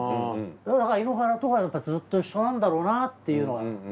だから井ノ原とはずっと一緒なんだろうなっていうのは。